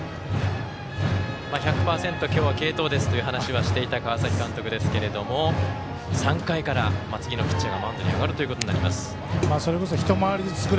１００％、今日は継投ですという話をしていた川崎監督ですけれども３回から、次のピッチャーがマウンドに上がるということになります。